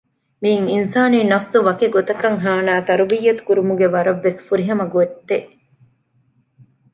މިއީ އިންސާނީ ނަފުސު ވަކިގޮތަކަށް ހާނައި ތަރްބިޔަތު ކުރުމުގެ ވަރަށްވެސް ފުރިހަމަ ގޮތެއް